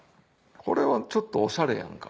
これはちょっとオシャレやんか。